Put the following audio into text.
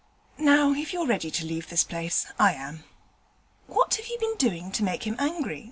Now, if you're ready to leave this place, I am.' 'What have you been doing to make him angry?'